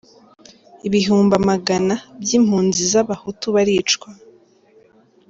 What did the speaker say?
Ibihumbi amagana by’ Impunzi z’abahutu baricwa.